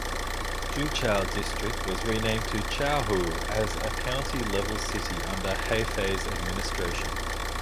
Juchao District was renamed to Chaohu as a county-level city under Hefei's administration.